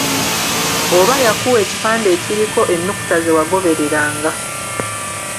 Oba yakuwa ekipande ekiriko ennukuta ze wagobereranga.